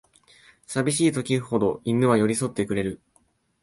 さびしい時ほど犬は寄りそってくれる